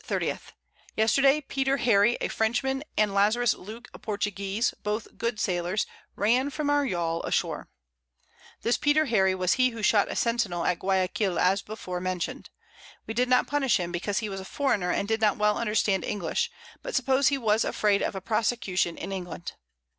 _ Yesterday Peter Harry a Frenchman, and Lazarus Luke a Portuguese, both good Sailors, ran from our Yall ashore. This Peter Harry was he who shot a Centinel at Guiaquil as beforemention'd. We did not punish him, because he was a Foreigner, and did not well understand English, but suppose he was afraid of a Prosecution in England.